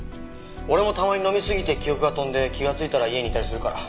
俺もたまに飲みすぎて記憶が飛んで気がついたら家にいたりするから。